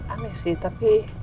aneh sih tapi